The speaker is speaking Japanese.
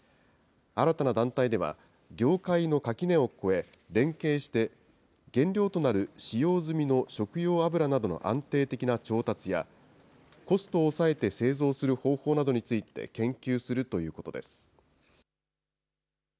新たな団体では、業界の垣根を越え、連携して、原料となる使用済みの食用油などの安定的な調達や、コストを抑えて製造する方法などについて研究するということです。